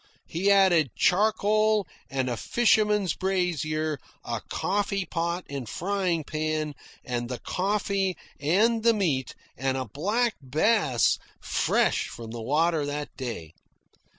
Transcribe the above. He added charcoal and a fisherman's brazier, a coffee pot and frying pan, and the coffee and the meat, and a black bass fresh from the water that day.